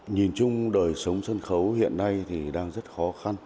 nhìn chung đời sống sân khấu hiện nay thì đang rất khó khăn